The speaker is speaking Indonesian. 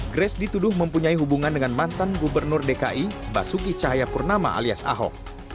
grace dituduh mempunyai hubungan dengan mantan gubernur dki basuki cahayapurnama alias ahok